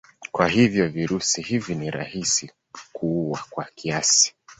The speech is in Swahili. Kwa hivyo virusi hivi ni rahisi kuua kwa kiasi.